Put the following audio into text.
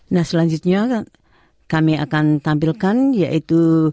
nah selanjutnya kami akan tampilkan yaitu